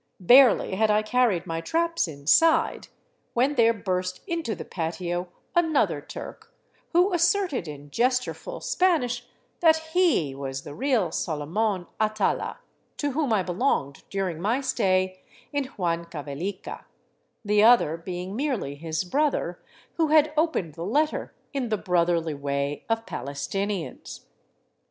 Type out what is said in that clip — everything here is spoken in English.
Barely had I carried my (raps inside, when there burst into the patio another ^' Turk," who as serted in gestureful Spanish that he was the real Solomon Atala to whom I belonged during my stay in Huancavelica, the other being merely his brother, who had opened the letter in the brotherly way of Palestinians.